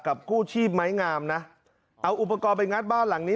กู้ชีพไม้งามนะเอาอุปกรณ์ไปงัดบ้านหลังนี้